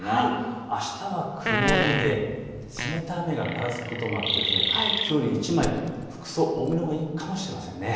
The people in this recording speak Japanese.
あしたは曇りで冷たい雨がぱらつくこともあってきょうより１枚、服装多めのほうがいいかもしれません。